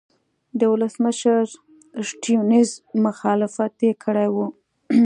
د ولسمشر سټیونز مخالفت یې کړی و.